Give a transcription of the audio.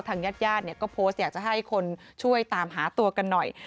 ญาติญาติเนี่ยก็โพสต์อยากจะให้คนช่วยตามหาตัวกันหน่อย